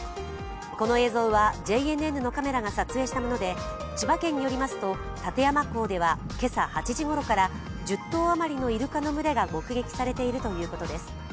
この映像はＪＮＮのカメラが撮影したもので、千葉県によりますと館山港では今朝８時ごろから１０頭余りのいるかの群れが目撃されているということです。